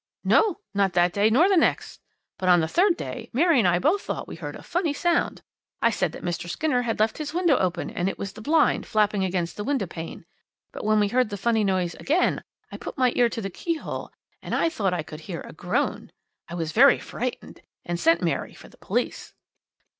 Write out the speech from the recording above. "'No. Not that day or the next, but on the third day Mary and I both thought we heard a funny sound. I said that Mr. Skinner had left his window open, and it was the blind flapping against the window pane; but when we heard that funny noise again I put my ear to the keyhole and I thought I could hear a groan. I was very frightened, and sent Mary for the police.'